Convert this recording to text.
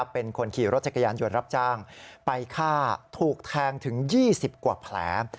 เป็นคนขี่รถจักรยานยนต์รับจ้างไปฆ่าถูกแทงถึง๒๐กว่าแผล